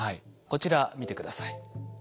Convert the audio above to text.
こちら見て下さい。